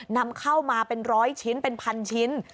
นำเข้ามาเป็นร้อยชิ้นเป็นพันชิ้น